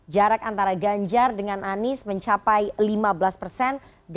jarak antara ganjar dengan anies mencapai lima belas persen